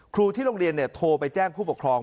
ครูที่โรงเรียนโทรไปแจ้งผู้ปกครอง